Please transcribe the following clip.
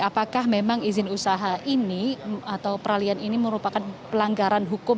apakah memang izin usaha ini atau peralian ini merupakan pelanggaran hukum